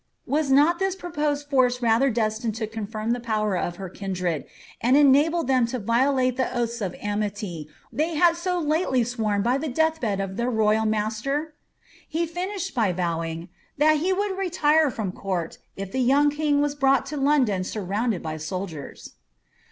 Was not this proposed force rather destined to confirm the power of her kindred, and enable them to violate the oaths of amity they had so lately sworn by the death bed of tlieir royal master ?^ He finished by vowing, ^ that he would retire (rom court, if the young king was brought to London surrounded by soldiers."